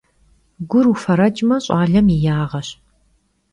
Gur vufereç'me, ş'alem yi yağeş.